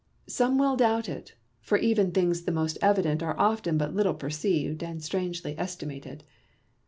Some will doubt it; for even things the most evident are often but little perceived and strangely estimated.